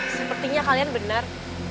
sepertinya kalian benar